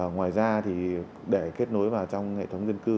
ngoài ra thì để kết nối vào trong hệ thống dân cư